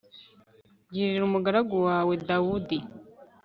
girira umugaragu wawe dawudi